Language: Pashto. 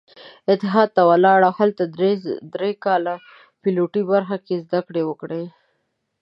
اتحاد ته ولاړ او هلته يې درې کاله د پيلوټۍ برخه کې زدکړې وکړې.